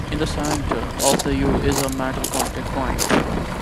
In the center of the "U" is a metal contact point.